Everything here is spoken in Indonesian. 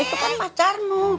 itu kan pacarmu